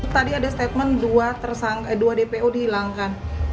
tadi ada statement dua dpo dihilangkan